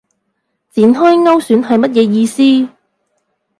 展開勾選係乜嘢意思